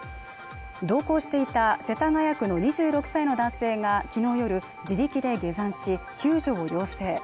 同行していた世田谷区の２６歳の男性がきのうより自力で下山し救助を要請